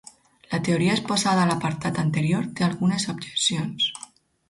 La teoria exposada a l'apartat anterior té algunes objeccions.